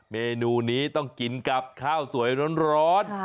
เมนูนี้ต้องกินกับข้าวสวยร้อน